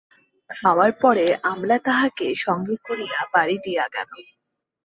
খাওয়ার পরে আমলা তাহাকে সঙ্গে করিয়া বাড়ি দিয়া গেল।